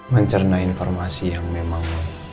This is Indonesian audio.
mencerna informasi yang memang